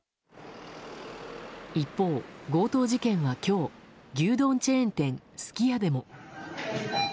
一方、強盗事件は今日牛丼チェーン店すき家でも。